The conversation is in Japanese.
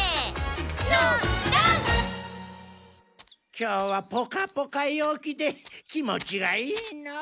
今日はポカポカ陽気で気持ちがいいのう。